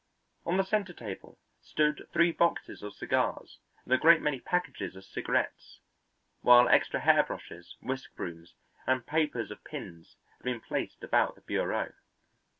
On the centre table stood three boxes of cigars and a great many packages of cigarettes, while extra hairbrushes, whiskbrooms, and papers of pins had been placed about the bureau.